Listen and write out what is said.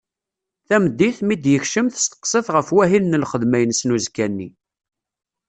Tameddit, mi d-yekcem testeqsa-t ɣef wahil n lxedma-ines n uzekka-nni.